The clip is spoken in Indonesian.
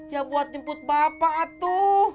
ya buat timput bapak atu